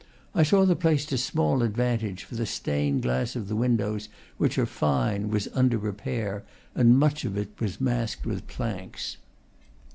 I saw the place to small advantage, for the stained glass of the windows, which are fine, was under repair, and much of it was masked with planks.